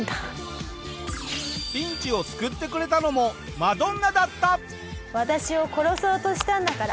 ピンチを救ってくれたのもマドンナだった！